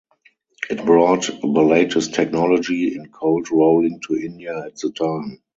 It brought the latest technology in cold rolling to India at the time.